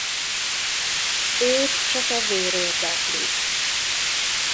Őt csak a vér érdekli.